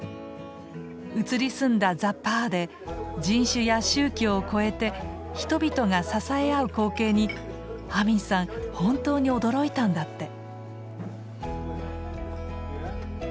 移り住んだザ・パーで人種や宗教を超えて人々が支え合う光景にアミンさん本当に驚いたんだって。